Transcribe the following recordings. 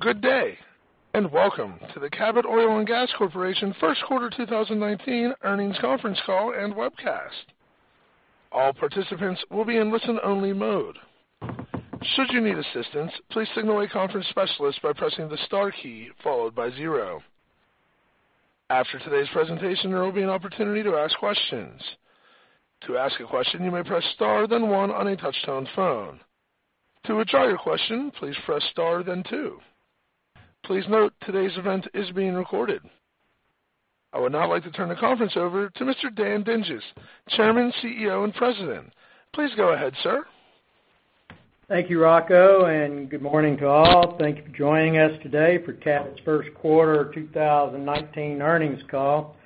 Good day. Welcome to the Cabot Oil & Gas Corporation first quarter 2019 earnings conference call and webcast. All participants will be in listen-only mode. Should you need assistance, please signal a conference specialist by pressing the star key followed by 0. After today's presentation, there will be an opportunity to ask questions. To ask a question, you may press star then 1 on a touch-tone phone. To withdraw your question, please press star, then 2. Please note, today's event is being recorded. I would now like to turn the conference over to Mr. Dan Dinges, Chairman, CEO, and President. Please go ahead, sir. Thank you, Rocco. Good morning to all. Thank you for joining us today for Cabot's first quarter 2019 earnings call.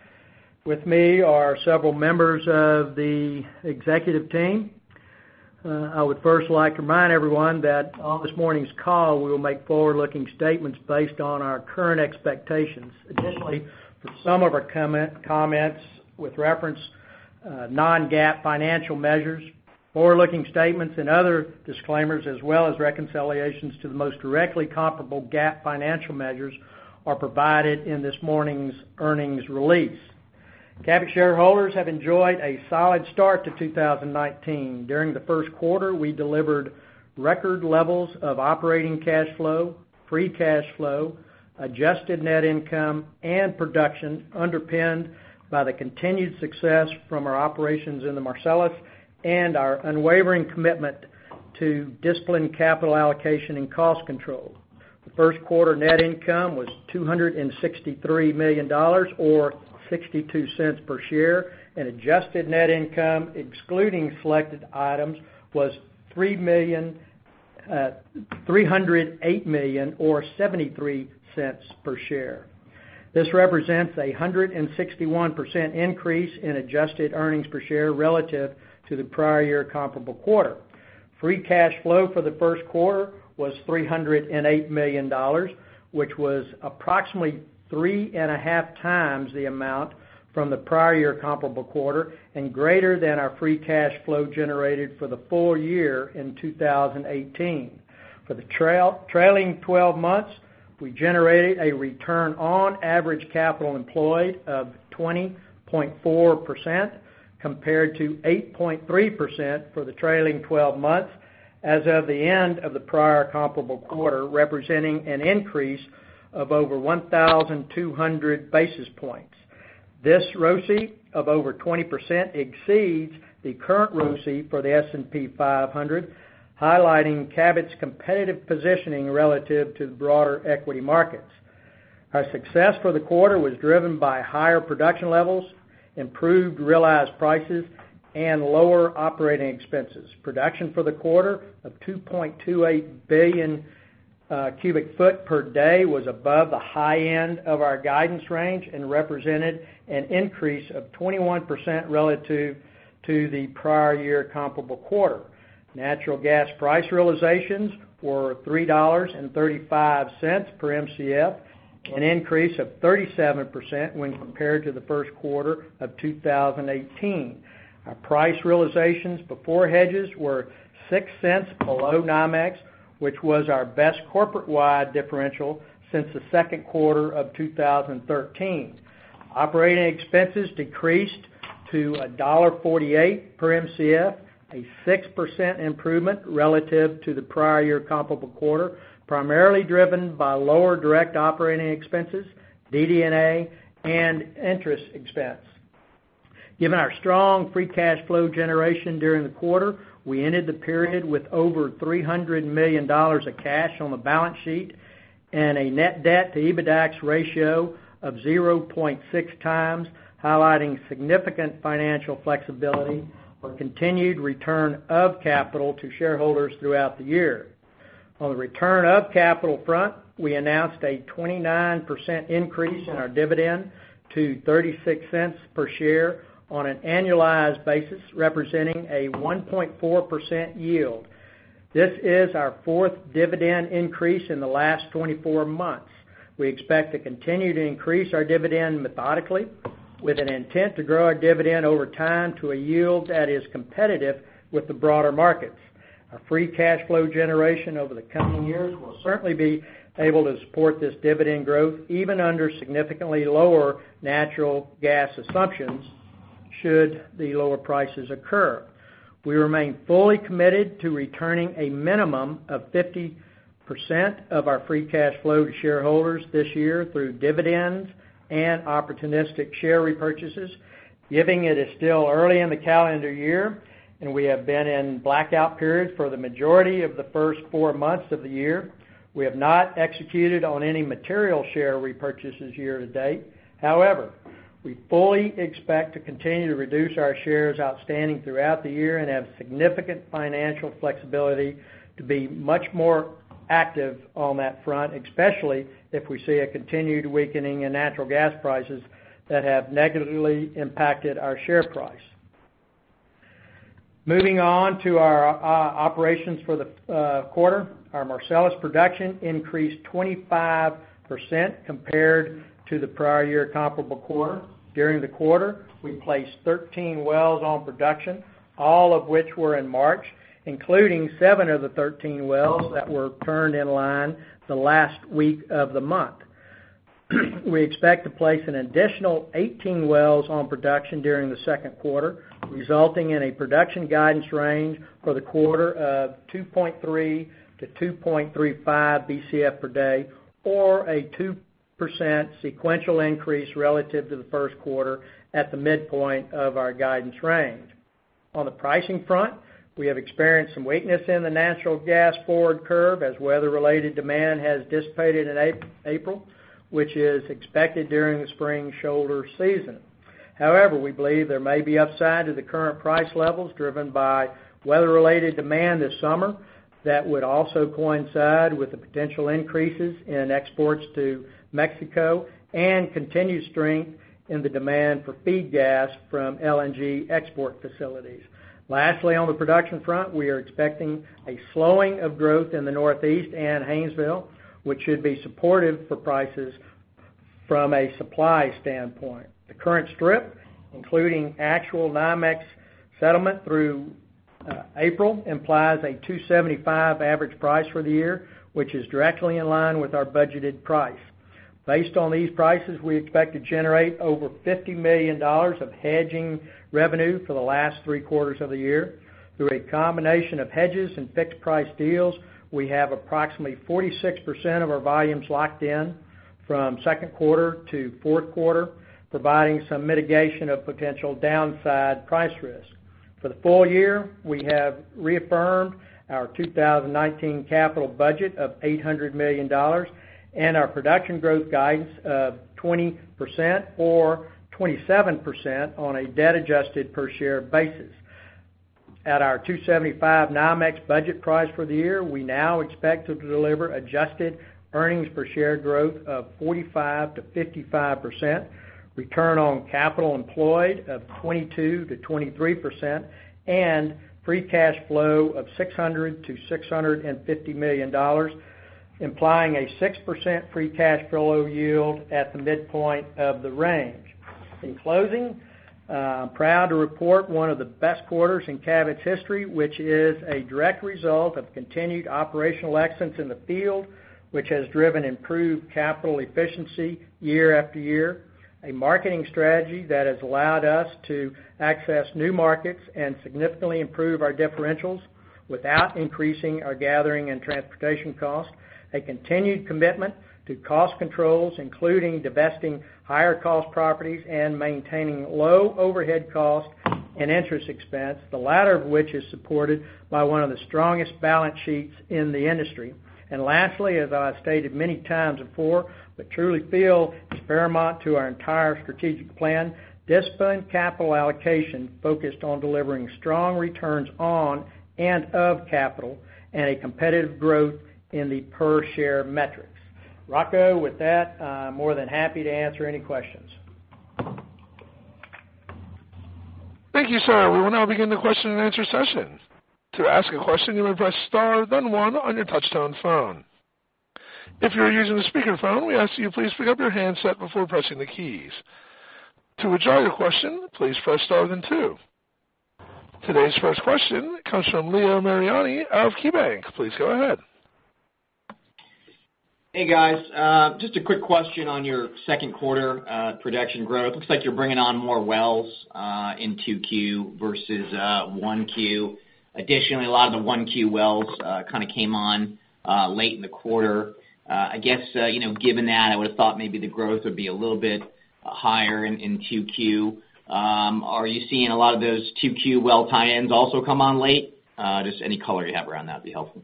With me are several members of the executive team. I would first like to remind everyone that on this morning's call, we will make forward-looking statements based on our current expectations. Additionally, for some of our comments with reference non-GAAP financial measures, forward-looking statements and other disclaimers as well as reconciliations to the most directly comparable GAAP financial measures are provided in this morning's earnings release. Cabot shareholders have enjoyed a solid start to 2019. During the first quarter, we delivered record levels of operating cash flow, free cash flow, adjusted net income, and production underpinned by the continued success from our operations in the Marcellus and our unwavering commitment to disciplined capital allocation and cost control. The first quarter net income was $263 million, or $0.62 per share. Adjusted net income excluding selected items was $308 million or $0.73 per share. This represents a 161% increase in adjusted earnings per share relative to the prior year comparable quarter. Free cash flow for the first quarter was $308 million, which was approximately 3.5 times the amount from the prior year comparable quarter and greater than our free cash flow generated for the full year in 2018. For the trailing 12 months, we generated a return on average capital employed of 20.4%, compared to 8.3% for the trailing 12 months as of the end of the prior comparable quarter, representing an increase of over 1,200 basis points. This ROCE of over 20% exceeds the current ROCE for the S&P 500, highlighting Cabot's competitive positioning relative to the broader equity markets. Our success for the quarter was driven by higher production levels, improved realized prices, and lower operating expenses. Production for the quarter of 2.28 Bcf per day was above the high end of our guidance range and represented an increase of 21% relative to the prior year comparable quarter. natural gas price realizations were $3.35 per Mcf, an increase of 37% when compared to the first quarter of 2018. Our price realizations before hedges were $0.06 below NYMEX, which was our best corporate-wide differential since the second quarter of 2013. Operating expenses decreased to $1.48 per Mcf, a 6% improvement relative to the prior year comparable quarter, primarily driven by lower direct operating expenses, DD&A, and interest expense. Given our strong free cash flow generation during the quarter, we ended the period with over $300 million of cash on the balance sheet and a net debt to EBITDAX ratio of 0.6 times, highlighting significant financial flexibility for continued return of capital to shareholders throughout the year. On the return of capital front, we announced a 29% increase in our dividend to $0.36 per share on an annualized basis, representing a 1.4% yield. This is our fourth dividend increase in the last 24 months. We expect to continue to increase our dividend methodically with an intent to grow our dividend over time to a yield that is competitive with the broader markets. Our free cash flow generation over the coming years will certainly be able to support this dividend growth even under significantly lower natural gas assumptions should the lower prices occur. We remain fully committed to returning a minimum of 50% of our free cash flow to shareholders this year through dividends and opportunistic share repurchases. Given it is still early in the calendar year and we have been in blackout periods for the majority of the first four months of the year, we have not executed on any material share repurchases year to date. However, we fully expect to continue to reduce our shares outstanding throughout the year and have significant financial flexibility to be much more active on that front, especially if we see a continued weakening in natural gas prices that have negatively impacted our share price. Moving on to our operations for the quarter. Our Marcellus production increased 25% compared to the prior year comparable quarter. During the quarter, we placed 13 wells on production, all of which were in March, including seven of the 13 wells that were turned in line the last week of the month. We expect to place an additional 18 wells on production during the second quarter, resulting in a production guidance range for the quarter of 2.3 to 2.35 Bcf per day, or a 2% sequential increase relative to the first quarter at the midpoint of our guidance range. On the pricing front, we have experienced some weakness in the natural gas forward curve as weather-related demand has dissipated in April, which is expected during the spring shoulder season. However, we believe there may be upside to the current price levels driven by weather-related demand this summer that would also coincide with the potential increases in exports to Mexico and continued strength in the demand for feed gas from LNG export facilities. Lastly, on the production front, we are expecting a slowing of growth in the Northeast and Haynesville, which should be supportive for prices from a supply standpoint. The current strip, including actual NYMEX settlement through April, implies a $2.75 average price for the year, which is directly in line with our budgeted price. Based on these prices, we expect to generate over $50 million of hedging revenue for the last three quarters of the year. Through a combination of hedges and fixed price deals, we have approximately 46% of our volumes locked in from second quarter to fourth quarter, providing some mitigation of potential downside price risk. For the full year, we have reaffirmed our 2019 capital budget of $800 million and our production growth guidance of 20% or 27% on a debt-adjusted per share basis. At our $2.75 NYMEX budget price for the year, we now expect to deliver adjusted earnings per share growth of 45%-55%, return on capital employed of 22%-23%, and free cash flow of $600 million-$650 million, implying a 6% free cash flow yield at the midpoint of the range. In closing, I'm proud to report one of the best quarters in Cabot's history, which is a direct result of continued operational excellence in the field, which has driven improved capital efficiency year after year, a marketing strategy that has allowed us to access new markets and significantly improve our differentials without increasing our gathering and transportation costs, a continued commitment to cost controls, including divesting higher cost properties and maintaining low overhead costs and interest expense, the latter of which is supported by one of the strongest balance sheets in the industry. Lastly, as I've stated many times before, but truly feel is paramount to our entire strategic plan, disciplined capital allocation focused on delivering strong returns on and of capital and a competitive growth in the per share metrics. Rocco, with that, I'm more than happy to answer any questions. Thank you, sir. We will now begin the question and answer session. To ask a question, you may press star then one on your touchtone phone. If you are using the speakerphone, we ask that you please pick up your handset before pressing the keys. To withdraw your question, please press star then two. Today's first question comes from Leo Mariani of KeyBanc. Please go ahead. Hey, guys. Just a quick question on your second quarter production growth. Looks like you're bringing on more wells in 2Q versus 1Q. Additionally, a lot of the 1Q wells kind of came on late in the quarter. I guess, given that, I would have thought maybe the growth would be a little bit higher in 2Q. Are you seeing a lot of those 2Q well tie-ins also come on late? Just any color you have around that would be helpful.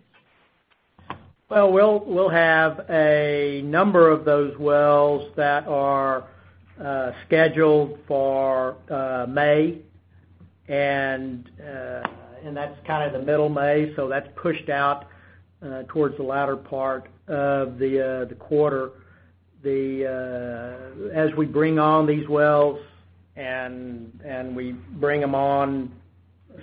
Well, we'll have a number of those wells that are scheduled for May, that's kind of the middle May, that's pushed out towards the latter part of the quarter. As we bring on these wells and we bring them on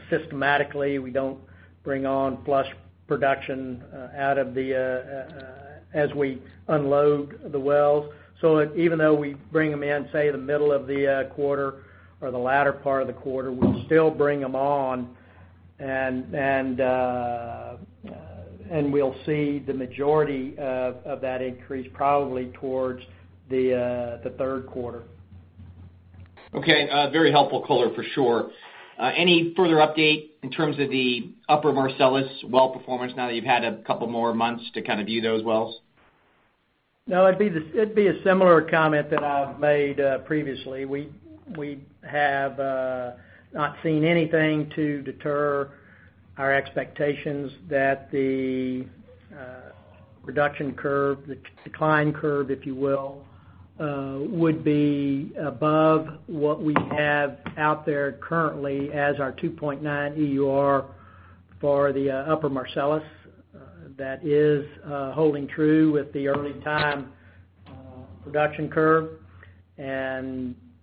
systematically, we don't bring on flush production as we unload the wells. Even though we bring them in, say, the middle of the quarter or the latter part of the quarter, we'll still bring them on and we'll see the majority of that increase probably towards the third quarter. Okay, very helpful color for sure. Any further update in terms of the Upper Marcellus well performance now that you've had a couple more months to kind of view those wells? No, it'd be a similar comment that I've made previously. We have not seen anything to deter our expectations that the production curve, the decline curve, if you will, would be above what we have out there currently as our 2.9 EUR for the Upper Marcellus. That is holding true with the early time production curve.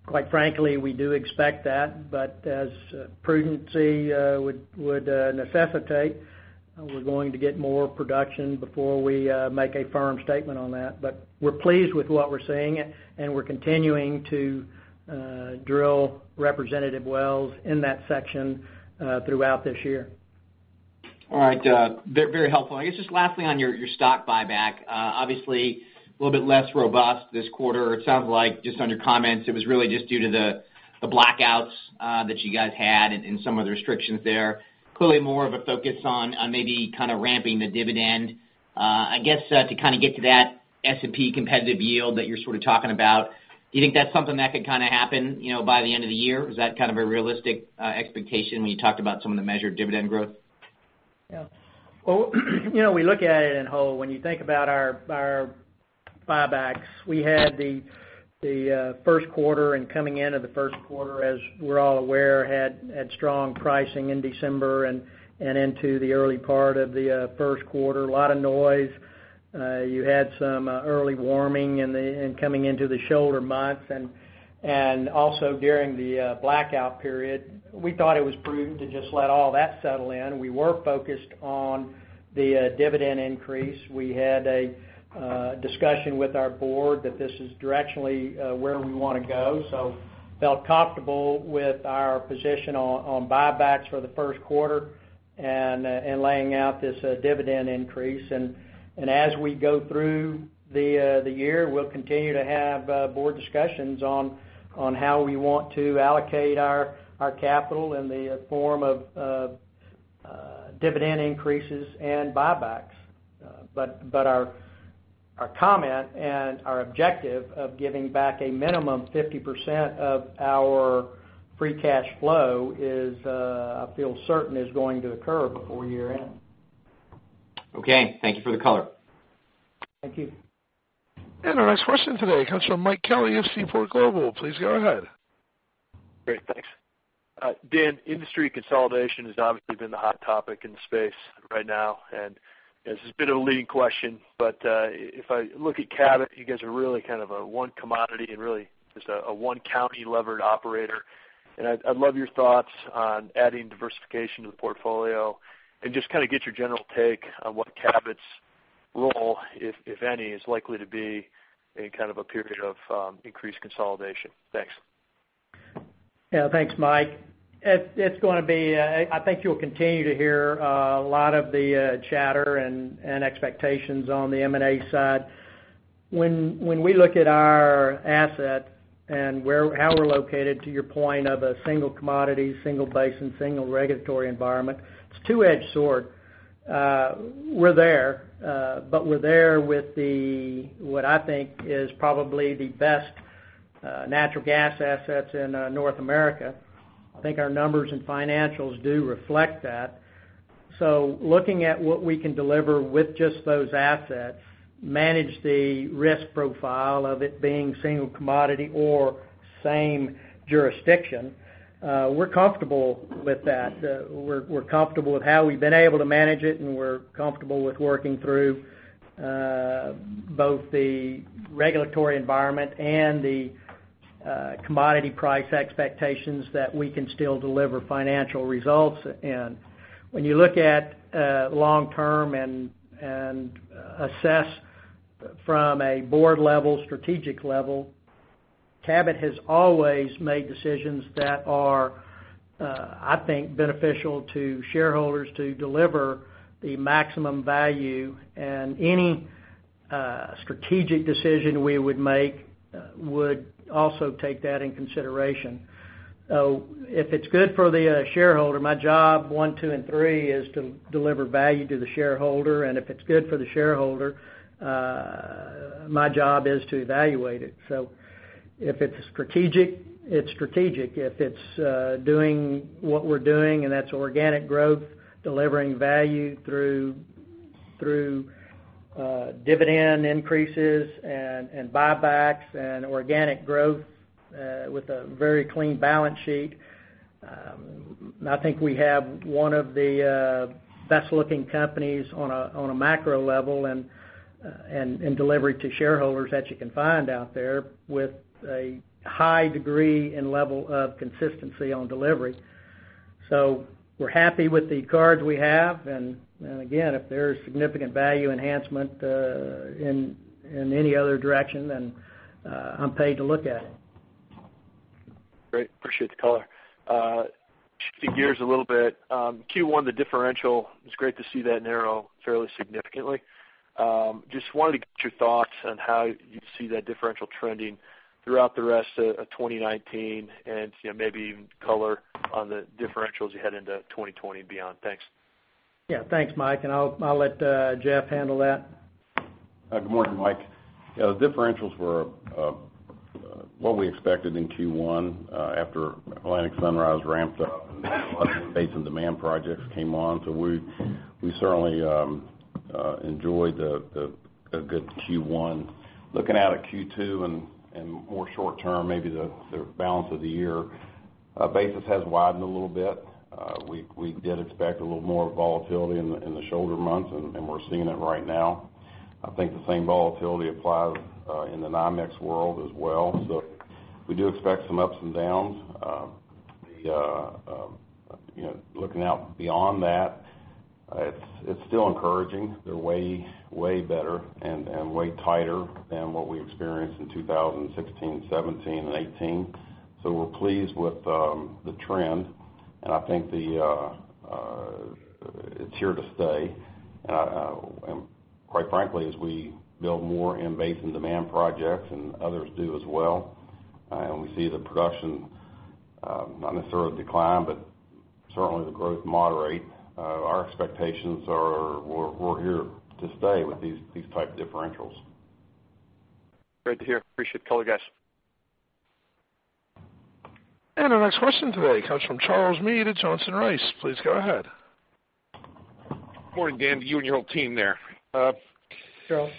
Quite frankly, we do expect that, as prudency would necessitate, we're going to get more production before we make a firm statement on that. We're pleased with what we're seeing, and we're continuing to drill representative wells in that section throughout this year. All right. Very helpful. I guess just lastly on your stock buyback, obviously a little bit less robust this quarter. It sounds like, just on your comments, it was really just due to the blackouts that you guys had and some of the restrictions there. Clearly more of a focus on maybe ramping the dividend. I guess, to get to that S&P competitive yield that you're sort of talking about, do you think that's something that could happen by the end of the year? Is that kind of a realistic expectation when you talked about some of the measured dividend growth? Yeah. We look at it in whole. When you think about our buybacks, we had the first quarter and coming into the first quarter, as we're all aware, had strong pricing in December and into the early part of the first quarter. A lot of noise. You had some early warming and coming into the shoulder months and also during the blackout period. We thought it was prudent to just let all that settle in. We were focused on the dividend increase. We had a discussion with our board that this is directionally where we want to go, felt comfortable with our position on buybacks for the first quarter and laying out this dividend increase. As we go through the year, we'll continue to have board discussions on how we want to allocate our capital in the form of dividend increases and buybacks. Our comment and our objective of giving back a minimum 50% of our free cash flow is, I feel certain, is going to occur before year-end. Okay. Thank you for the color. Thank you. Our next question today comes from Mike Kelly of Seaport Global. Please go ahead. Great. Thanks. Dan, industry consolidation has obviously been the hot topic in the space right now, this has been a leading question, if I look at Cabot, you guys are really kind of a one commodity and really just a one county levered operator. I'd love your thoughts on adding diversification to the portfolio and just kind of get your general take on what Cabot's role, if any, is likely to be in kind of a period of increased consolidation. Thanks. Yeah. Thanks, Mike. I think you'll continue to hear a lot of the chatter and expectations on the M&A side. When we look at our asset and how we're located, to your point of a single commodity, single basin, single regulatory environment, it's a two-edged sword. We're there, but we're there with what I think is probably the best natural gas assets in North America. I think our numbers and financials do reflect that. Looking at what we can deliver with just those assets, manage the risk profile of it being single commodity or same jurisdiction, we're comfortable with that. We're comfortable with how we've been able to manage it, we're comfortable with working through both the regulatory environment and the commodity price expectations that we can still deliver financial results in. When you look at long term and assess from a board level, strategic level, Cabot has always made decisions that are, I think, beneficial to shareholders to deliver the maximum value, any strategic decision we would make would also take that in consideration. If it's good for the shareholder, my job one, two, and three is to deliver value to the shareholder, if it's good for the shareholder, my job is to evaluate it. If it's strategic, it's strategic. If it's doing what we're doing, that's organic growth, delivering value through dividend increases and buybacks and organic growth with a very clean balance sheet. I think we have one of the best-looking companies on a macro level and delivery to shareholders that you can find out there with a high degree and level of consistency on delivery. We're happy with the cards we have, and again, if there's significant value enhancement in any other direction, then I'm paid to look at it. Great. Appreciate the color. Switching gears a little bit. Q1, the differential, it's great to see that narrow fairly significantly. Just wanted to get your thoughts on how you see that differential trending throughout the rest of 2019 and maybe even color on the differentials you head into 2020 and beyond. Thanks. Yeah. Thanks, Mike, and I'll let Jeff handle that. Good morning, Mike. Differentials were what we expected in Q1 after Atlantic Sunrise ramped up and the basin demand projects came on. We certainly enjoyed a good Q1. Looking out at Q2 and more short term, maybe the balance of the year Our basis has widened a little bit. We did expect a little more volatility in the shoulder months, and we're seeing it right now. I think the same volatility applies in the NYMEX world as well. We do expect some ups and downs. Looking out beyond that, it's still encouraging. They're way better and way tighter than what we experienced in 2016, 2017, and 2018. We're pleased with the trend, and I think it's here to stay. Quite frankly, as we build more in basin demand projects, and others do as well, and we see the production not necessarily decline, but certainly the growth moderate, our expectations are we're here to stay with these type of differentials. Great to hear. Appreciate the color, guys. Our next question today comes from Charles Meade at Johnson Rice. Please go ahead. Good morning, Dan, to you and your whole team there. Charles.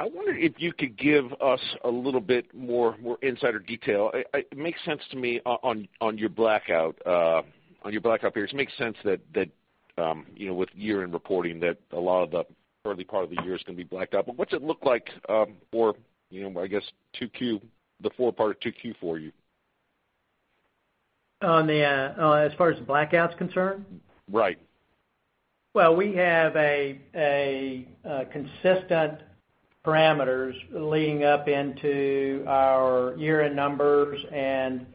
I wonder if you could give us a little bit more insider detail. It makes sense to me on your blackout period, it makes sense that with year-end reporting, that a lot of the early part of the year is going to be blacked out. What's it look like for, I guess, the fourth part of Q2 for you? As far as the blackout's concerned? Right. Well, we have a consistent parameters leading up into our year-end numbers and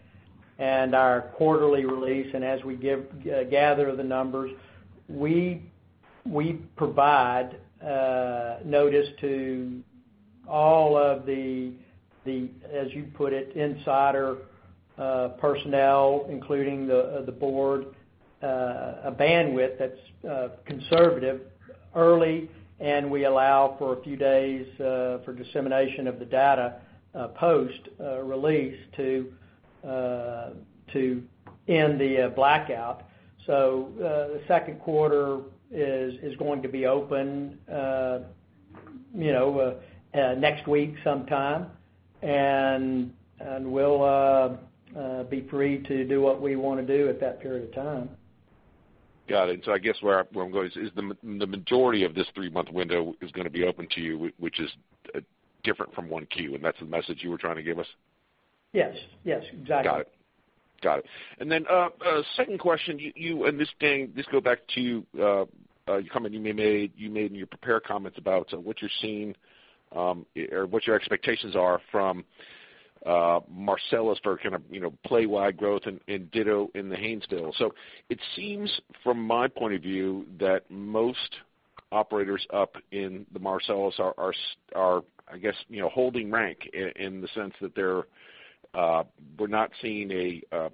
our quarterly release. As we gather the numbers, we provide notice to all of the, as you put it, insider personnel, including the board, a bandwidth that's conservative early, and we allow for a few days for dissemination of the data post-release to end the blackout. The second quarter is going to be open next week sometime, and we'll be free to do what we want to do at that period of time. Got it. I guess where I'm going is the majority of this three-month window is going to be open to you, which is different from Q1, and that's the message you were trying to give us? Yes. Exactly. Got it. Second question. This, Dan, this goes back to a comment you made in your prepared comments about what you're seeing or what your expectations are from Marcellus for play-wide growth and ditto in the Haynesville. It seems from my point of view that most operators up in the Marcellus are, I guess, holding rank in the sense that we're not seeing a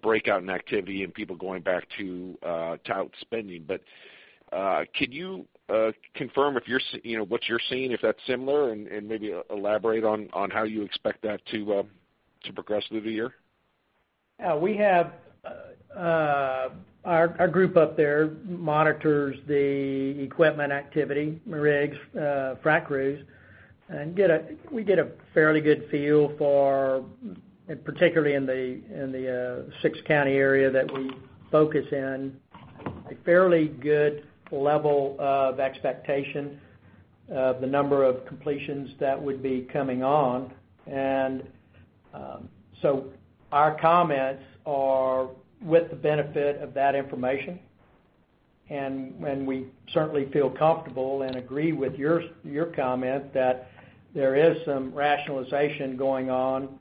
breakout in activity and people going back to tout spending. Can you confirm what you're seeing, if that's similar, and maybe elaborate on how you expect that to progress through the year? Our group up there monitors the equipment activity, rigs, frac crews, and we get a fairly good feel for, particularly in the six-county area that we focus in, a fairly good level of expectation of the number of completions that would be coming on. Our comments are with the benefit of that information. We certainly feel comfortable and agree with your comment that there is some rationalization going on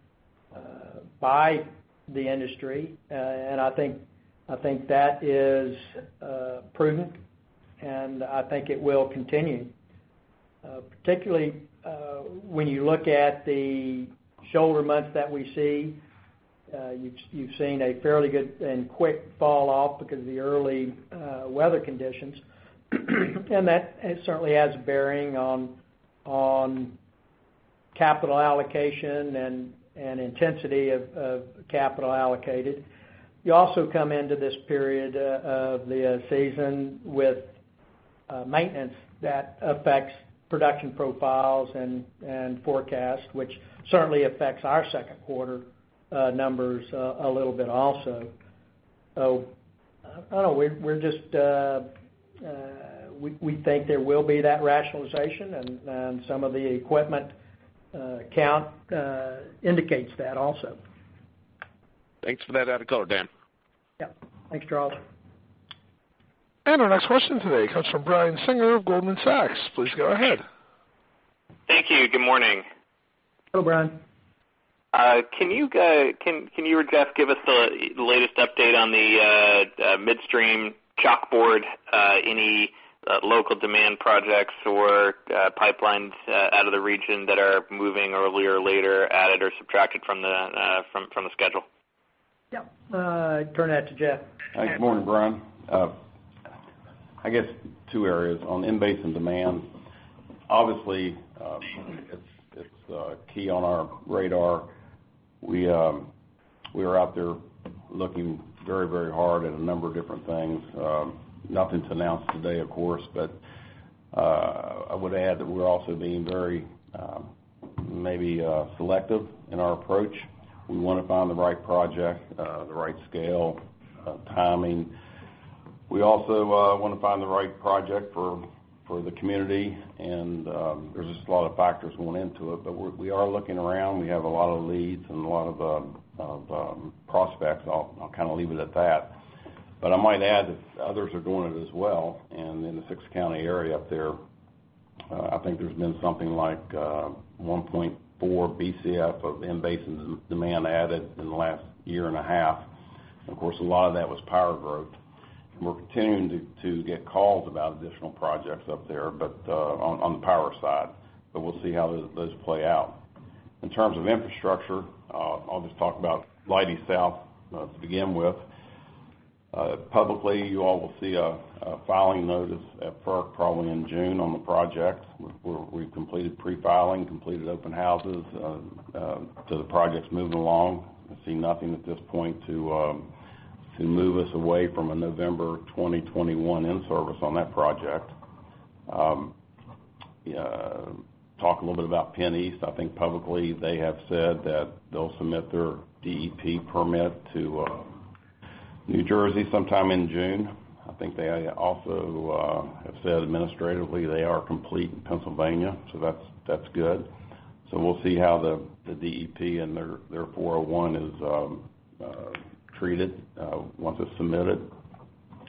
by the industry. I think that is prudent, and I think it will continue. Particularly when you look at the shoulder months that we see, you've seen a fairly good and quick fall off because of the early weather conditions. That certainly has a bearing on capital allocation and intensity of capital allocated. You also come into this period of the season with maintenance that affects production profiles and forecasts, which certainly affects our second quarter numbers a little bit also. I don't know. We think there will be that rationalization, some of the equipment count indicates that also. Thanks for that added color, Dan. Yeah. Thanks, Charles. Our next question today comes from Brian Singer of Goldman Sachs. Please go ahead. Thank you. Good morning. Hello, Brian. Can you or Jeff give us the latest update on the midstream chalkboard, any local demand projects or pipelines out of the region that are moving earlier or later, added or subtracted from the schedule? Yeah. Turn that to Jeff. Thanks. Good morning, Brian. I guess two areas. On in-basin demand, obviously, it's key on our radar. We are out there Looking very, very hard at a number of different things. Nothing to announce today, of course, I would add that we're also being very selective in our approach. We want to find the right project, the right scale, timing. We also want to find the right project for the community, and there's just a lot of factors going into it. We are looking around, we have a lot of leads and a lot of prospects. I'll leave it at that. I might add that others are doing it as well. In the six-county area up there, I think there's been something like 1.4 Bcf of in-basin demand added in the last year and a half. Of course, a lot of that was power growth. We're continuing to get calls about additional projects up there, but on the power side. We'll see how those play out. In terms of infrastructure, I'll just talk about Leidy South to begin with. Publicly, you all will see a filing notice at FERC probably in June on the project. We've completed pre-filing, completed open houses. The project's moving along. I see nothing at this point to move us away from a November 2021 in-service on that project. Talk a little bit about PennEast. I think publicly, they have said that they'll submit their DEP permit to New Jersey sometime in June. I think they also have said administratively they are complete in Pennsylvania, so that's good. We'll see how the DEP and their 401 is treated once it's submitted.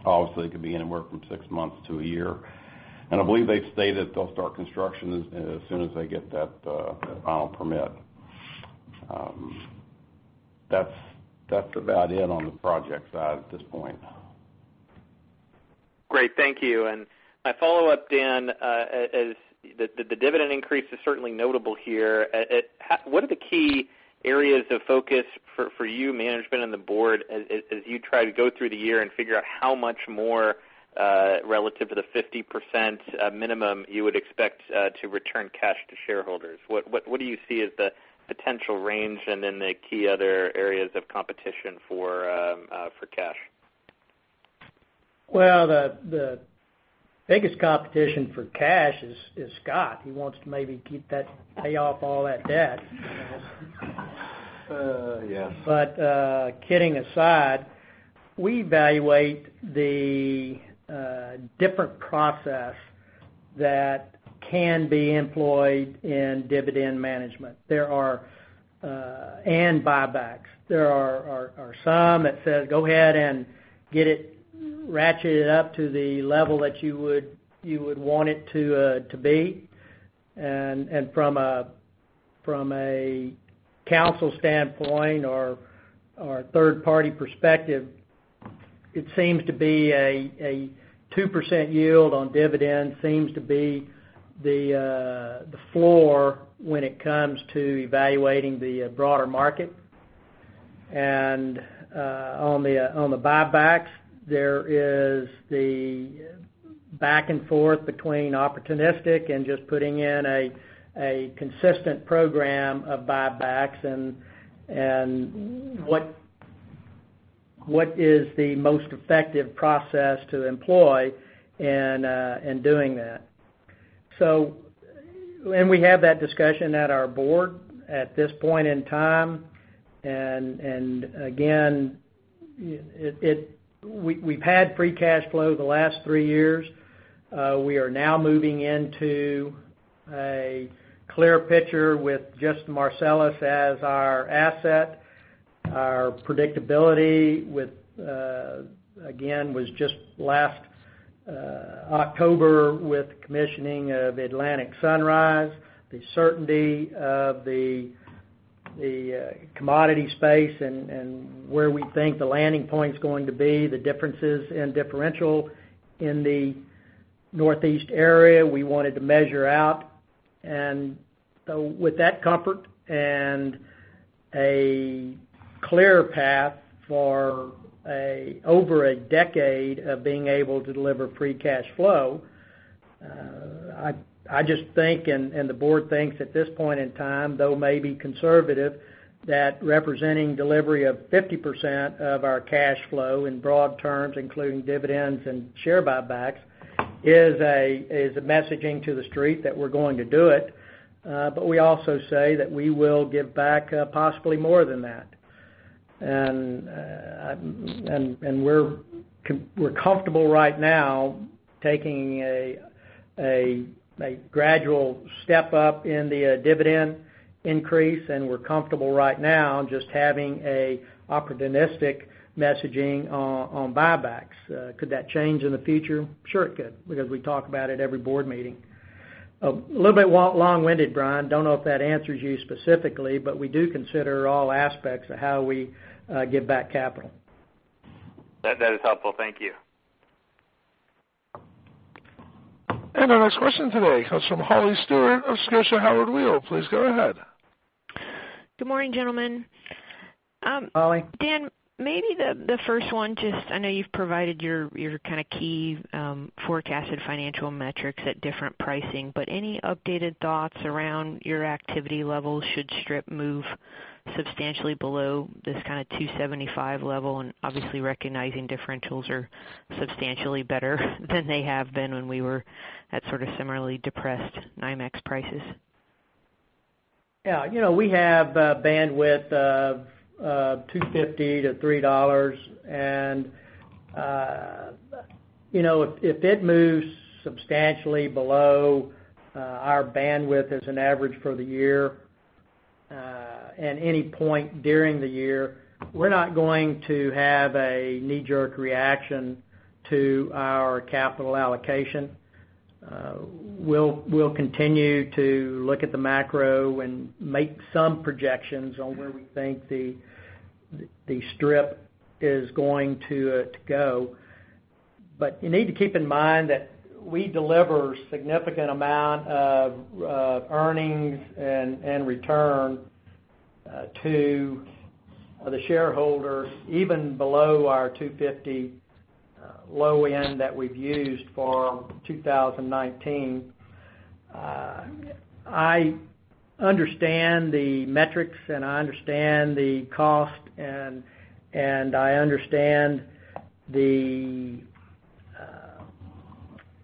Obviously, it could be anywhere from six months to a year. I believe they've stated they'll start construction as soon as they get that final permit. That's about it on the project side at this point. Great, thank you. My follow-up, Dan, the dividend increase is certainly notable here. What are the key areas of focus for you, management, and the board as you try to go through the year and figure out how much more relative to the 50% minimum you would expect to return cash to shareholders? What do you see as the potential range and then the key other areas of competition for cash? The biggest competition for cash is Scott. He wants to maybe pay off all that debt. Yes. Kidding aside, we evaluate the different process that can be employed in dividend management and buybacks. There are some that say, "Go ahead and get it ratcheted up to the level that you would want it to be." From a council standpoint or third-party perspective, a 2% yield on dividend seems to be the floor when it comes to evaluating the broader market. On the buybacks, there is the back and forth between opportunistic and just putting in a consistent program of buybacks, and what is the most effective process to employ in doing that. We have that discussion at our board at this point in time, again, we've had free cash flow the last three years. We are now moving into a clear picture with just Marcellus as our asset. Our predictability, again, was just last October with the commissioning of Atlantic Sunrise, the certainty of the commodity space and where we think the landing point's going to be, the differences in differential in the Northeast area we wanted to measure out. With that comfort and a clear path for over a decade of being able to deliver free cash flow, I just think, and the board thinks at this point in time, though it may be conservative, that representing delivery of 50% of our cash flow in broad terms, including dividends and share buybacks, is a messaging to the street that we're going to do it. We also say that we will give back possibly more than that. We're comfortable right now taking a gradual step up in the dividend increase, we're comfortable right now just having an opportunistic messaging on buybacks. Could that change in the future? Sure it could, because we talk about it every board meeting. A little bit long-winded, Brian. Don't know if that answers you specifically, but we do consider all aspects of how we give back capital. That is helpful. Thank you. Our next question today comes from Holly Stewart of Scotiabank. Please go ahead. Good morning, gentlemen. Holly. Dan, maybe the first one, I know you've provided your key forecasted financial metrics at different pricing, but any updated thoughts around your activity levels should strip move substantially below this kind of $2.75 level, and obviously recognizing differentials are substantially better than they have been when we were at similarly depressed NYMEX prices? Yeah. We have a bandwidth of $2.50 to $3. If it moves substantially below our bandwidth as an average for the year, at any point during the year, we're not going to have a knee-jerk reaction to our capital allocation. We'll continue to look at the macro and make some projections on where we think the strip is going to go. You need to keep in mind that we deliver significant amount of earnings and return to the shareholders, even below our $2.50 low end that we've used for 2019. I understand the metrics, I understand the cost, I understand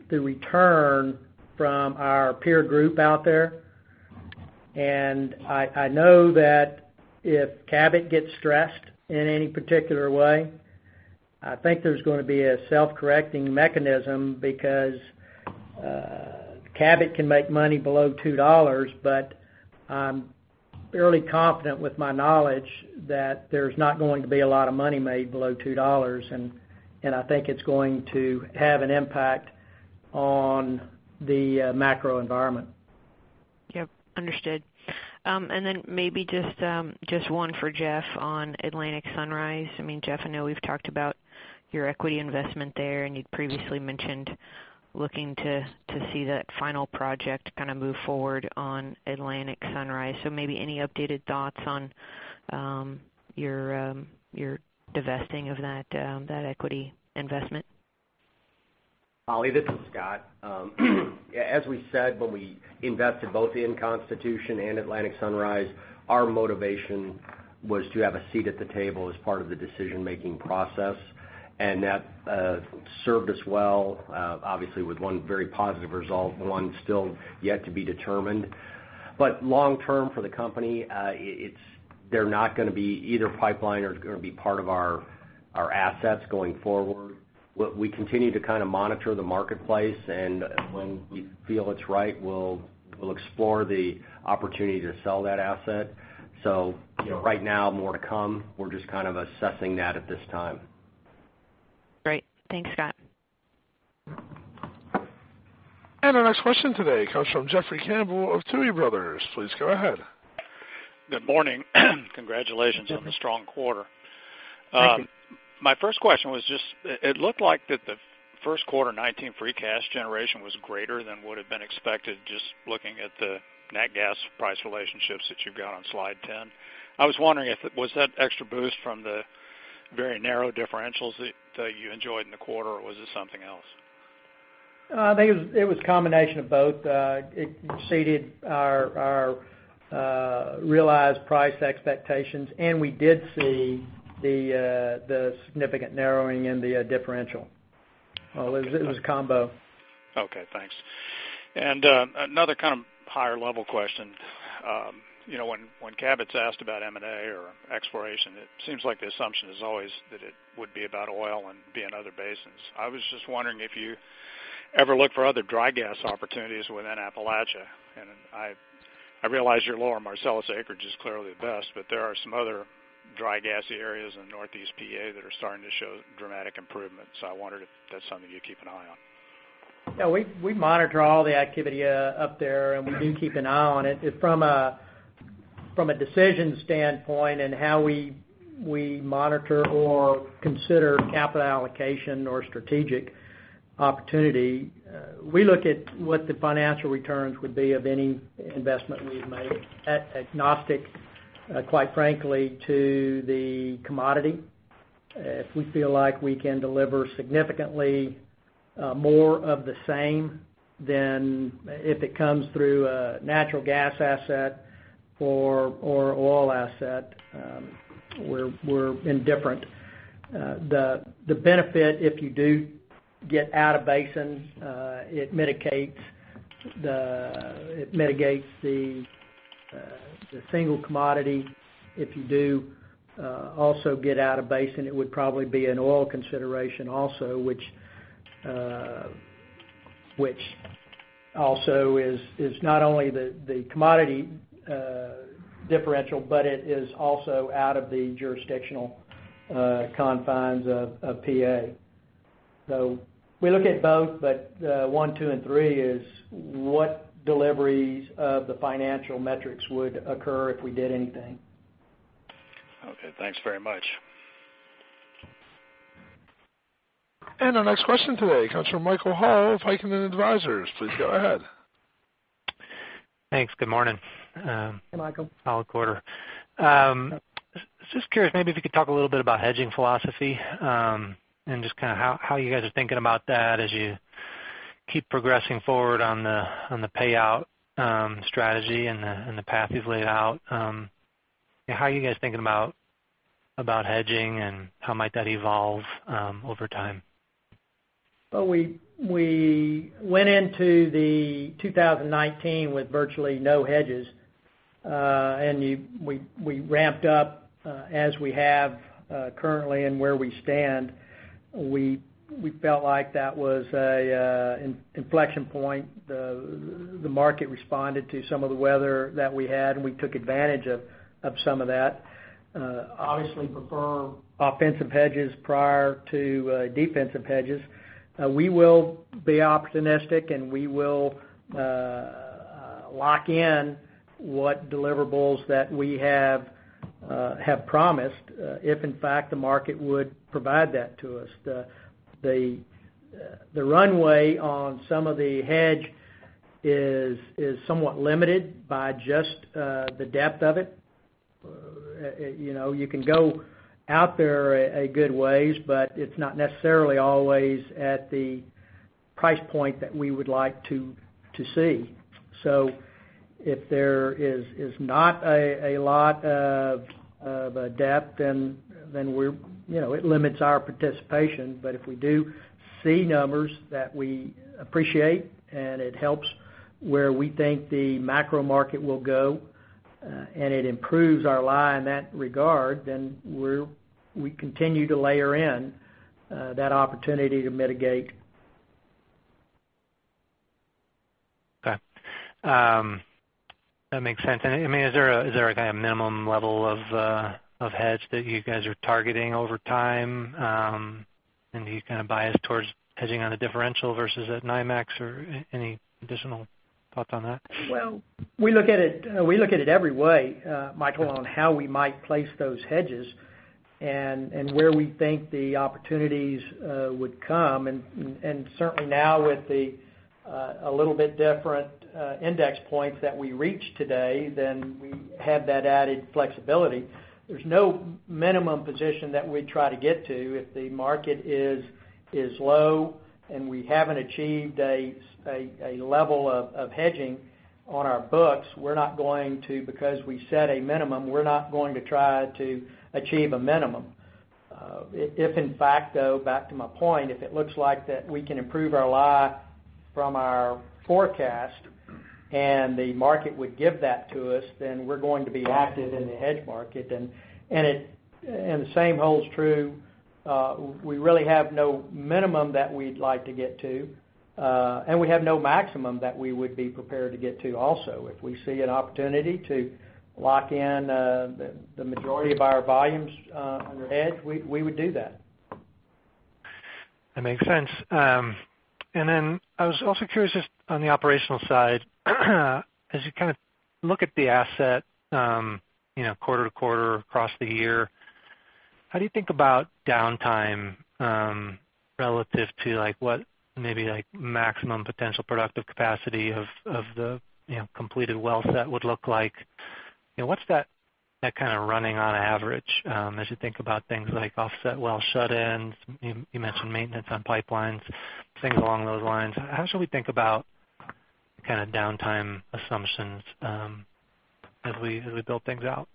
the return from our peer group out there. I know that if Cabot gets stressed in any particular way, I think there's going to be a self-correcting mechanism because Cabot can make money below $2, but I'm fairly confident with my knowledge that there's not going to be a lot of money made below $2. I think it's going to have an impact on the macro environment. Yep. Understood. Maybe just one for Jeff on Atlantic Sunrise. Jeff, I know we've talked about your equity investment there, and you'd previously mentioned looking to see that final project move forward on Atlantic Sunrise. Maybe any updated thoughts on your divesting of that equity investment? Holly, this is Scott. As we said when we invested both in Constitution and Atlantic Sunrise, our motivation was to have a seat at the table as part of the decision-making process. That served us well, obviously with one very positive result, and one still yet to be determined. Long term for the company, they're not going to be either pipeline or going to be part of our assets going forward. We continue to monitor the marketplace, and when we feel it's right, we'll explore the opportunity to sell that asset. Right now, more to come. We're just assessing that at this time. Great. Thanks, Scott. Our next question today comes from Jeffrey Campbell of Tuohy Brothers. Please go ahead. Good morning. Congratulations on the strong quarter. Thank you. My first question was just, it looked like that the first quarter 2019 free cash generation was greater than would've been expected, just looking at the net gas price relationships that you've got on slide 10. I was wondering, was that extra boost from the very narrow differentials that you enjoyed in the quarter, or was it something else? I think it was a combination of both. It exceeded our realized price expectations. We did see the significant narrowing in the differential. It was a combo. Okay, thanks. Another kind of higher-level question. When Cabot's asked about M&A or exploration, it seems like the assumption is always that it would be about oil and be in other basins. I was just wondering if you ever look for other dry natural gas opportunities within Appalachia. I realize your Lower Marcellus acreage is clearly the best, but there are some other dry gassy areas in northeast P.A. that are starting to show dramatic improvements. I wondered if that's something you keep an eye on. Yeah. We monitor all the activity up there. We do keep an eye on it. From a decisions standpoint and how we monitor or consider capital allocation or strategic opportunity, we look at what the financial returns would be of any investment we've made at agnostic, quite frankly, to the commodity. If we feel like we can deliver significantly more of the same, if it comes through a natural gas asset or oil asset, we're indifferent. The benefit, if you do get out-of-basin, it mitigates the single commodity. If you do also get out-of-basin, it would probably be an oil consideration also, which also is not only the commodity differential, but it is also out of the jurisdictional confines of P.A. We look at both, but one, two, and three is what deliveries of the financial metrics would occur if we did anything. Okay. Thanks very much. Our next question today comes from Michael Hall of Heikkinen Energy Advisors. Please go ahead. Thanks. Good morning. Hey, Michael. Just curious, maybe if you could talk a little bit about hedging philosophy, and just how you guys are thinking about that as you keep progressing forward on the payout strategy and the path you've laid out. How are you guys thinking about hedging and how might that evolve over time? Well, we went into the 2019 with virtually no hedges. We ramped up, as we have currently and where we stand, we felt like that was an inflection point. The market responded to some of the weather that we had, and we took advantage of some of that. Obviously prefer offensive hedges prior to defensive hedges. We will be opportunistic, and we will lock in what deliverables that we have promised, if in fact, the market would provide that to us. The runway on some of the hedge is somewhat limited by just the depth of it. You can go out there a good ways, but it's not necessarily always at the price point that we would like to see. If there is not a lot of depth, then it limits our participation. If we do see numbers that we appreciate, and it helps where we think the macro market will go, and it improves our lie in that regard, then we continue to layer in that opportunity to mitigate. Okay. That makes sense. Is there a minimum level of hedge that you guys are targeting over time? Any kind of bias towards hedging on a differential versus at NYMEX or any additional thoughts on that? Well, we look at it every way, Michael, on how we might place those hedges and where we think the opportunities would come. Certainly now with a little bit different index points that we reached today, we have that added flexibility. There's no minimum position that we'd try to get to. If the market is low and we haven't achieved a level of hedging on our books, we're not going to, because we set a minimum, we're not going to try to achieve a minimum. If in fact, though, back to my point, if it looks like that we can improve our lie from our forecast and the market would give that to us, we're going to be active in the hedge market. The same holds true, we really have no minimum that we'd like to get to. We have no maximum that we would be prepared to get to also. If we see an opportunity to lock in the majority of our volumes under hedge, we would do that. That makes sense. Then I was also curious just on the operational side, as you look at the asset quarter-to-quarter across the year, how do you think about downtime, relative to what maybe maximum potential productive capacity of the completed well set would look like? What's that running on average, as you think about things like offset well shut-ins? You mentioned maintenance on pipelines, things along those lines. How should we think about downtime assumptions as we build things out?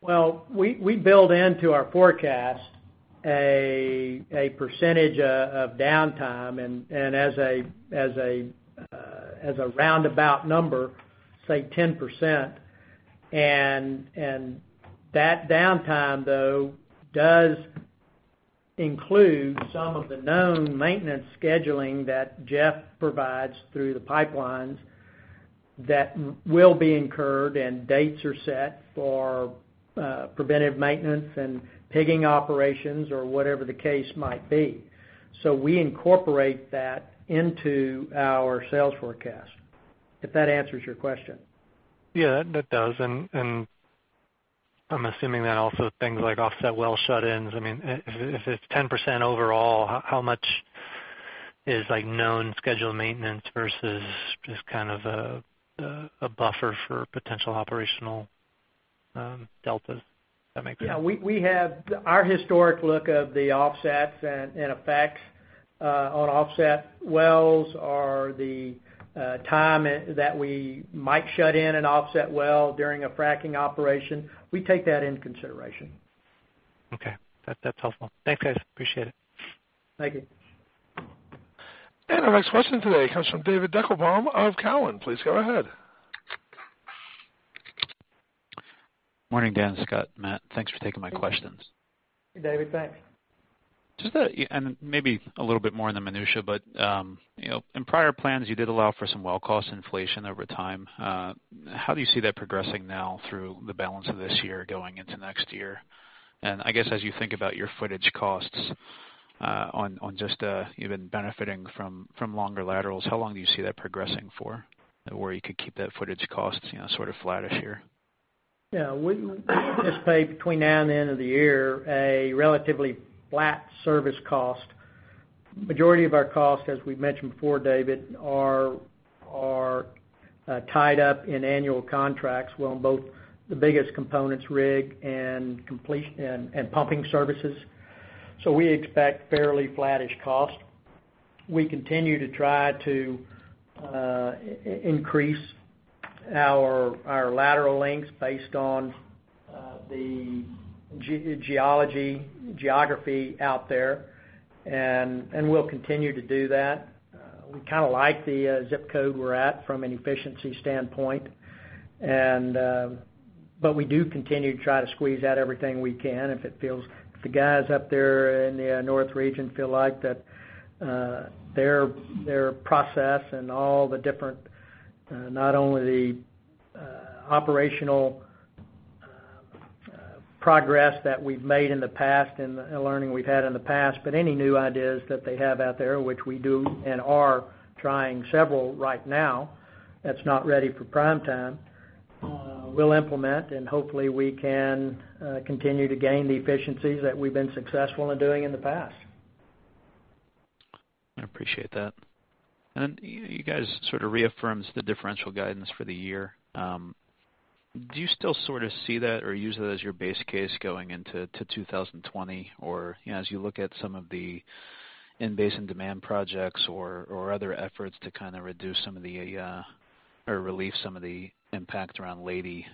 Well, we build into our forecast a percentage of downtime and as a roundabout number, say, 10%. That downtime, though, does include some of the known maintenance scheduling that Jeff provides through the pipelines that will be incurred and dates are set for preventive maintenance and pigging operations or whatever the case might be. We incorporate that into our sales forecast. If that answers your question. I'm assuming that also things like offset well shut-ins, if it's 10% overall, how much is known scheduled maintenance versus just a buffer for potential operational deltas? Does that make sense? Yeah. Our historic look of the offsets and effects on offset wells are the time that we might shut in an offset well during a fracking operation. We take that into consideration. Okay. That's helpful. Thanks, guys. Appreciate it. Thank you. Our next question today comes from David Deckelbaum of Cowen. Please go ahead. Morning, Dan, Scott, Matt. Thanks for taking my questions. Hey, David. Thanks. Maybe a little bit more in the minutia, but in prior plans, you did allow for some well cost inflation over time. How do you see that progressing now through the balance of this year going into next year? I guess as you think about your footage costs, you've been benefiting from longer laterals, how long do you see that progressing for, where you could keep that footage costs sort of flattish here? Yeah. We anticipate between now and the end of the year, a relatively flat service cost. Majority of our costs, as we've mentioned before, David, are tied up in annual contracts on both the biggest components, rig and pumping services. We expect fairly flattish cost. We continue to try to increase our lateral lengths based on the geology, geography out there, and we'll continue to do that. We like the zip code we're at from an efficiency standpoint. We do continue to try to squeeze out everything we can. If the guys up there in the North region feel like that their process and all the different, not only the operational progress that we've made in the past and the learning we've had in the past, but any new ideas that they have out there, which we do and are trying several right now, that's not ready for prime time, we'll implement, and hopefully we can continue to gain the efficiencies that we've been successful in doing in the past. I appreciate that. You guys sort of reaffirmed the differential guidance for the year. Do you still see that or use that as your base case going into 2020? As you look at some of the in-basin demand projects or other efforts to relieve some of the impact around Leidy,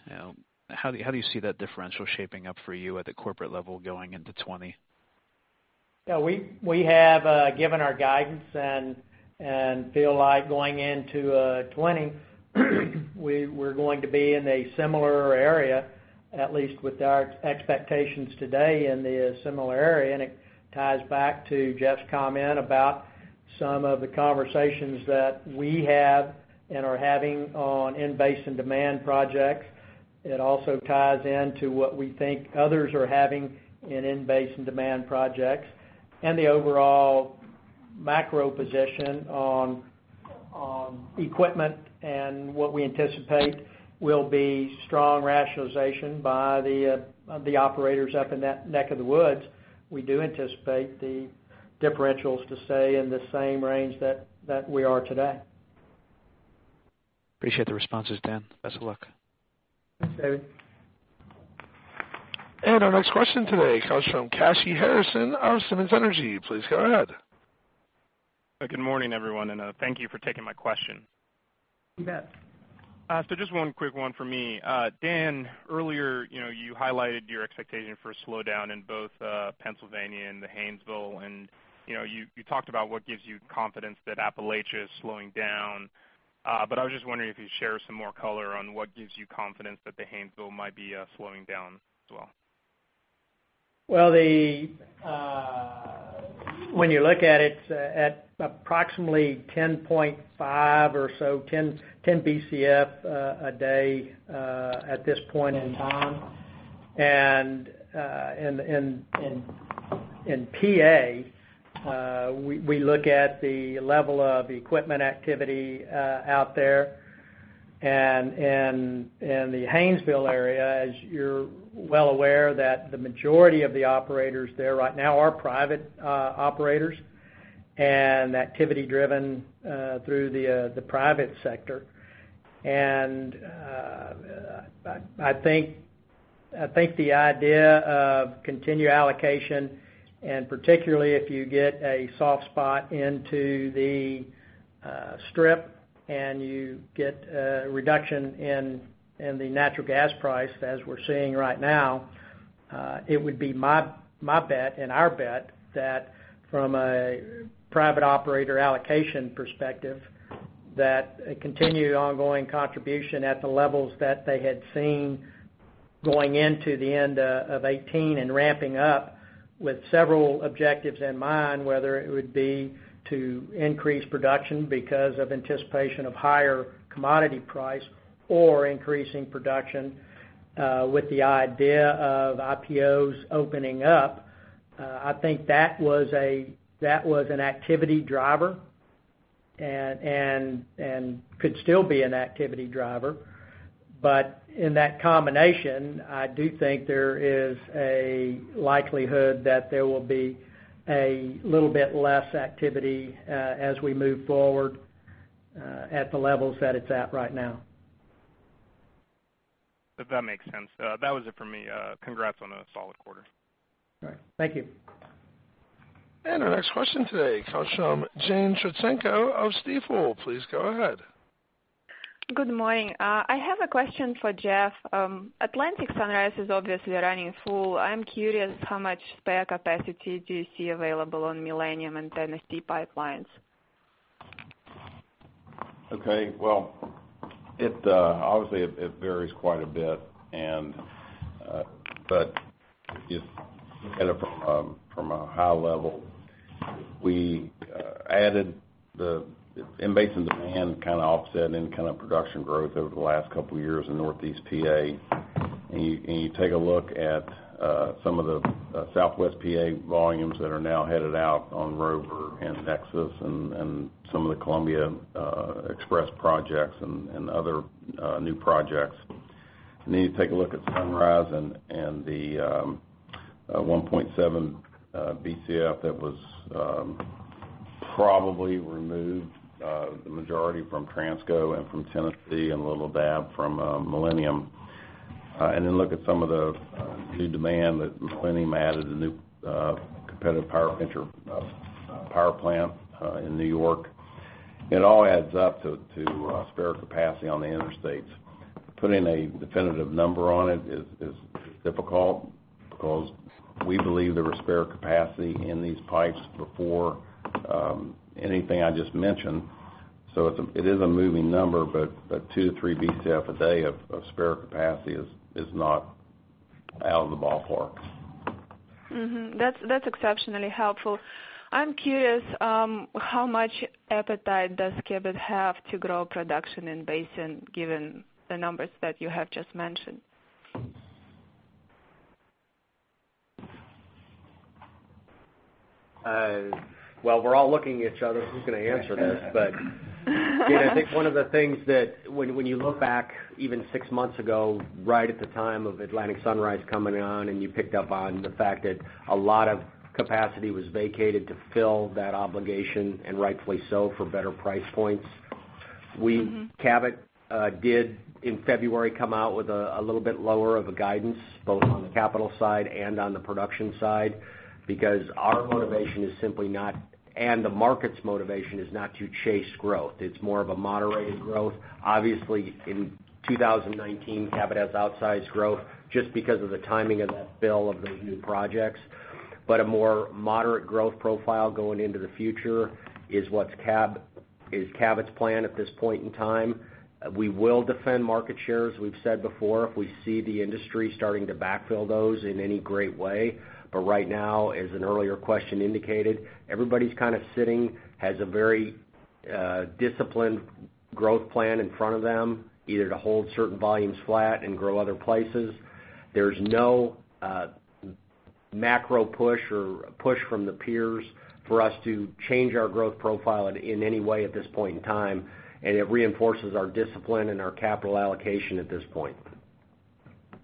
how do you see that differential shaping up for you at the corporate level going into 2020? Yeah, we have given our guidance and feel like going into 2020 we're going to be in a similar area, at least with our expectations today in the similar area. It ties back to Jeff's comment about some of the conversations that we had and are having on in-basin demand projects. It also ties into what we think others are having in in-basin demand projects and the overall macro position on equipment and what we anticipate will be strong rationalization by the operators up in that neck of the woods. We do anticipate the differentials to stay in the same range that we are today. Appreciate the responses, Dan. Best of luck. Thanks, David. Our next question today comes from Kashy Harrison of Simmons Energy. Please go ahead. Good morning, everyone, and thank you for taking my question. You bet. Just one quick one for me. Dan, earlier you highlighted your expectation for a slowdown in both Pennsylvania and the Haynesville, and you talked about what gives you confidence that Appalachia is slowing down. I was just wondering if you'd share some more color on what gives you confidence that the Haynesville might be slowing down as well. When you look at it, at approximately 10.5 or so, 10 Bcf a day at this point in time. In PA, we look at the level of equipment activity out there. In the Haynesville area, as you're well aware, that the majority of the operators there right now are private operators and activity driven through the private sector. I think the idea of continued allocation, and particularly if you get a soft spot into the strip and you get a reduction in the natural gas price as we're seeing right now, it would be my bet and our bet that from a private operator allocation perspective, that a continued ongoing contribution at the levels that they had seen going into the end of 2018 and ramping up with several objectives in mind, whether it would be to increase production because of anticipation of higher commodity price or increasing production with the idea of IPOs opening up. I think that was an activity driver and could still be an activity driver. In that combination, I do think there is a likelihood that there will be a little bit less activity as we move forward at the levels that it's at right now. That makes sense. That was it for me. Congrats on a solid quarter. All right. Thank you. Our next question today comes from Jane Trotsenko of Stifel. Please go ahead. Good morning. I have a question for Jeff. Atlantic Sunrise is obviously running full. I'm curious how much spare capacity do you see available on Millennium and Tennessee pipelines? Okay, well, obviously it varies quite a bit. From a high level, we added the in-basin demand kind of offset any kind of production growth over the last couple of years in Northeast P.A. You take a look at some of the Southwest P.A. volumes that are now headed out on Rover and NEXUS and some of the Columbia Xpress projects and other new projects. Need to take a look at Sunrise and the 1.7 Bcf that was probably removed, the majority from Transco and from Tennessee, and a little dab from Millennium. Look at some of the new demand that Millennium added, a new competitive power plant in New York. It all adds up to spare capacity on the interstates. Putting a definitive number on it is difficult because we believe there was spare capacity in these pipes before anything I just mentioned. It is a moving number, but 2 to 3 Bcf a day of spare capacity is not out of the ballpark. That's exceptionally helpful. I'm curious, how much appetite does Cabot have to grow production in basin given the numbers that you have just mentioned? Well, we're all looking at each other, who's going to answer this? I think one of the things that when you look back even six months ago, right at the time of Atlantic Sunrise coming on, and you picked up on the fact that a lot of capacity was vacated to fill that obligation, and rightfully so, for better price points. Cabot did, in February, come out with a little bit lower of a guidance, both on the capital side and on the production side, because our motivation is simply not, and the market's motivation, is not to chase growth. It's more of a moderated growth. Obviously, in 2019, Cabot has outsized growth just because of the timing of that build of those new projects. A more moderate growth profile going into the future is Cabot's plan at this point in time. We will defend market share, as we've said before. If we see the industry starting to backfill those in any great way. Right now, as an earlier question indicated, everybody's kind of sitting, has a very disciplined growth plan in front of them, either to hold certain volumes flat and grow other places. There's no macro push or push from the peers for us to change our growth profile in any way at this point in time, and it reinforces our discipline and our capital allocation at this point.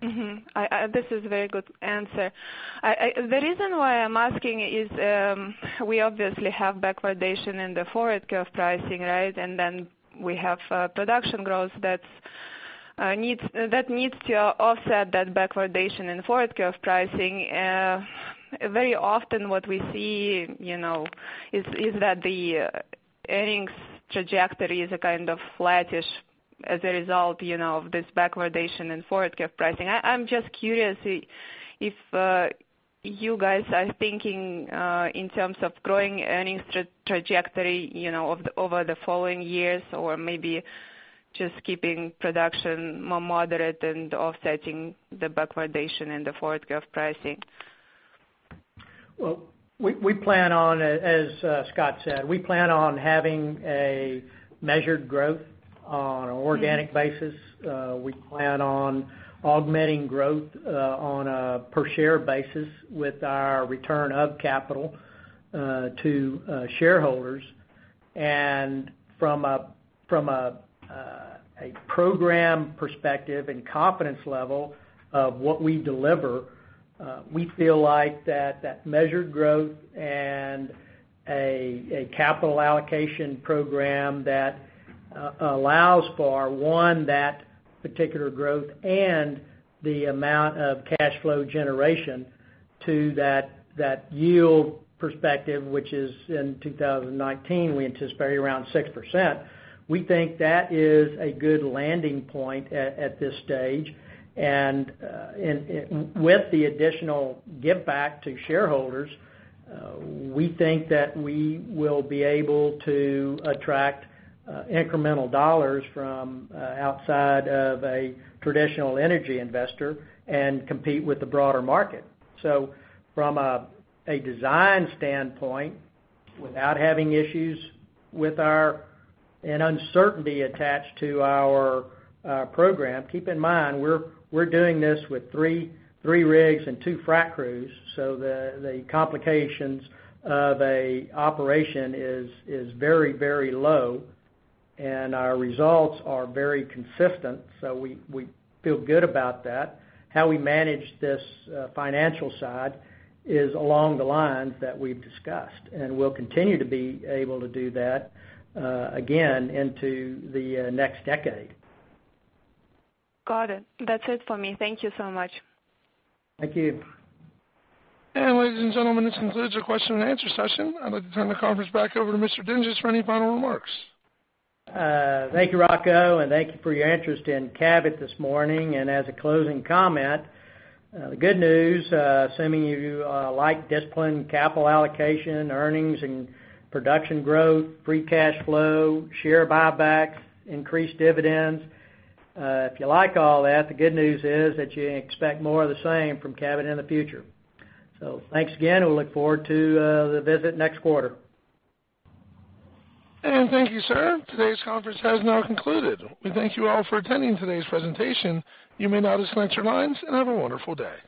This is a very good answer. The reason why I'm asking is we obviously have backwardation in the forward curve pricing, right? Then we have production growth that needs to offset that backwardation and forward curve pricing. Very often what we see is that the earnings trajectory is kind of flattish as a result of this backwardation and forward curve pricing. I'm just curious if you guys are thinking in terms of growing earnings trajectory over the following years or maybe just keeping production more moderate and offsetting the backwardation and the forward curve pricing. Well, as Scott said, we plan on having a measured growth on an organic basis. We plan on augmenting growth on a per share basis with our return of capital to shareholders. From a program perspective and confidence level of what we deliver, we feel like that measured growth and a capital allocation program that allows for, one, that particular growth and the amount of cash flow generation to that yield perspective, which is in 2019, we anticipate around 6%. We think that is a good landing point at this stage. With the additional give back to shareholders, we think that we will be able to attract incremental dollars from outside of a traditional energy investor and compete with the broader market. From a design standpoint, without having issues with an uncertainty attached to our program, keep in mind, we're doing this with three rigs and two frac crews, the complications of an operation is very low and our results are very consistent. We feel good about that. How we manage this financial side is along the lines that we've discussed, and we'll continue to be able to do that, again, into the next decade. Got it. That's it for me. Thank you so much. Thank you. Ladies and gentlemen, this concludes our question and answer session. I'd like to turn the conference back over to Mr. Dinges for any final remarks. Thank you, Rocco, and thank you for your interest in Cabot this morning. As a closing comment, the good news, assuming you like disciplined capital allocation, earnings and production growth, free cash flow, share buyback, increased dividends. If you like all that, the good news is that you expect more of the same from Cabot in the future. Thanks again, we'll look forward to the visit next quarter. Thank you, sir. Today's conference has now concluded. We thank you all for attending today's presentation. You may now disconnect your lines, and have a wonderful day.